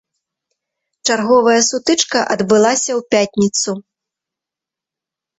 Чарговая сутычка адбылася ў пятніцу.